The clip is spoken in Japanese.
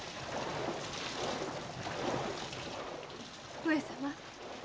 上様